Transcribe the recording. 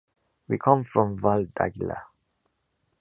We come from Valls d’Aguilar.